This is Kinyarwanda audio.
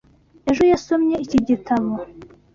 Ejo yasomye iki gitabo.